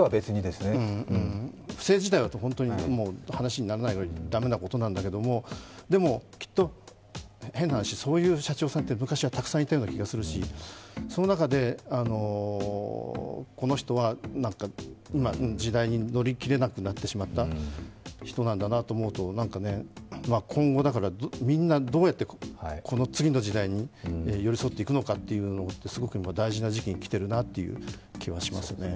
不正自体は話にならない駄目なことなんだけども、でも、きっと変な話、そういう社長さんって昔はたくさんいたような気がするしその中でこの人は今の時代に乗り切れなくなってしまった人なんだなと思うと今後、みんなどうやって次の時代に寄り添っていくのかということがすごく今、大事な時期にきていると思いますね。